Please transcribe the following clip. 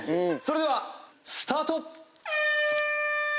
それではスタート！